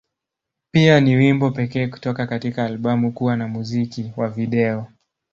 Pia, ni wimbo pekee kutoka katika albamu kuwa na muziki wa video.